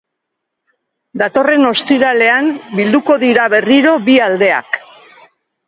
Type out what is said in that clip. Datorren ostiralean bilduko dira berriro bi aldeak.